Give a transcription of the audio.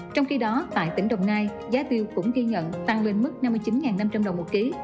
trong khi đó tại tỉnh đồng nai giá tiêu cũng ghi nhận tăng lên mức năm mươi chín năm trăm linh đồng một ký